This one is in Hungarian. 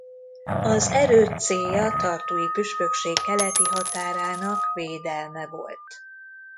Az erőd célja tartui püspökség keleti határának védelme volt.